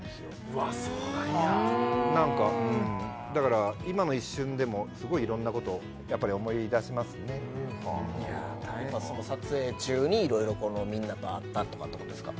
うわっそうなんや何かうんだから今の一瞬でもすごい色んなことやっぱり思い出しますねはあやっぱその撮影中に色々このみんなとあったとかってことですか？